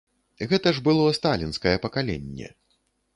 Гэта ж было сталінскае пакаленне.